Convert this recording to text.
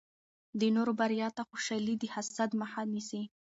د نورو بریا ته خوشحالي د حسد مخه نیسي.